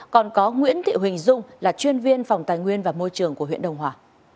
còn có nguyễn thị huỳnh dung là chuyên viên phòng tài nguyên và môi trường của huyện đông hòa